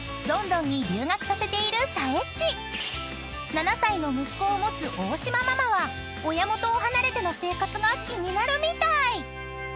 ［７歳の息子を持つ大島ママは親元を離れての生活が気になるみたい］